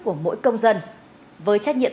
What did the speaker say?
của mỗi công dân với trách nhiệm